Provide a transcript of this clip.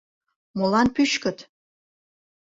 — Молан пӱчкыт?..